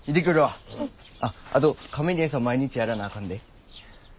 あっあとカメに餌毎日やらなあかんで。